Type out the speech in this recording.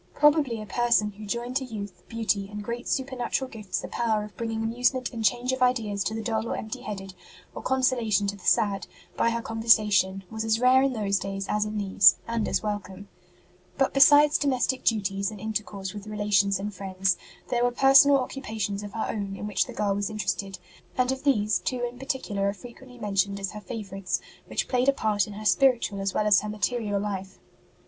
Probably a person who joined to youth, beauty, and great super natural gifts the power of bringing amusement and change of ideas to the dull or empty headed, or consolation to the sad, by her conversation, was as rare in those days as in these, and as welcome. ROSE S DOMESTIC LIFE 75 But besides domestic duties and intercourse with relations and friends, there were personal occupations of her own in which the girl was interested ; and of these two in particular are frequently mentioned as her favourites, which played a part in her spiritual as well as her material life.